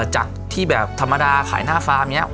จากที่แบบธรรมดาขายหน้าฟาร์มเนี่ย